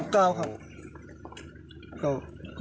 ก้าวครับ